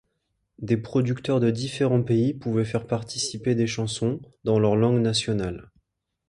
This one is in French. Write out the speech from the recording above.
Des producteurs de différents pays pouvaient faire participer des chansons, dans leur langue nationale.